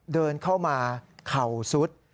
เดินเข้ามาเข่าซุด